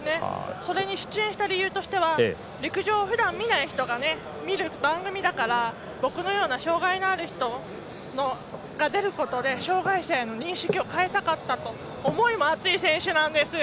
それに出演した理由としては陸上をふだん見ない人が見る番組だから、僕のような障がいのある人が出ることで障がい者への認識を変えたかったと思いも熱い選手なんですよ。